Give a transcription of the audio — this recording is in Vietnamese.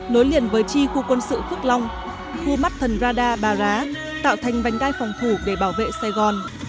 nối liền với chi khu quân sự phước long khu mắt thần radar bà rá tạo thành vành đai phòng thủ để bảo vệ sài gòn